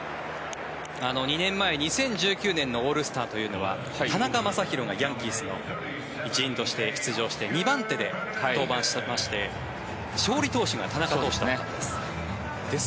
２年前、２０１９年のオールスターというのは田中将大がヤンキースの一員として出場して２番手で登板しまして勝利投手が田中投手だったんです。